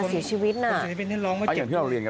นี่ภรรยาช็อคไปเลยนะฮะ